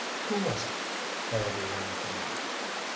"Who was it?" Harrowby wanted to know.